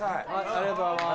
ありがとうございます。